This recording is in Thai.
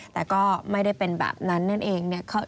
แต่ก็ไม่ได้เป็นแบบนั้นเนี่ยเองเนี่ย